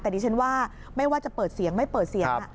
แต่ดิฉันว่าไม่ว่าจะเปิดเสียงไม่เปิดเสียง